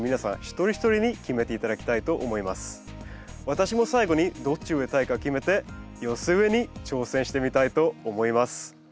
私も最後にどっち植えたいか決めて寄せ植えに挑戦してみたいと思います。